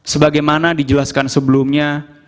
sebagai mana dijelaskan sebelumnya